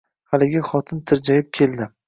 Haligi xotin tirjayib keldi.